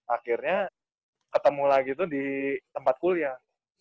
akhirnya ketemu lagi tuh di tempat kuliah